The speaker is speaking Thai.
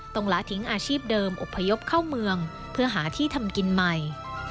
ละทิ้งอาชีพเดิมอพยพเข้าเมืองเพื่อหาที่ทำกินใหม่